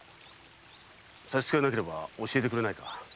差し支えなければ教えてくれないか。